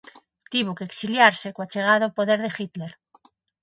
Tivo que exiliarse coa chegada ao poder de Hitler.